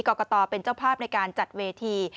กรกตเป็นเจ้าภาพในการจัดเวที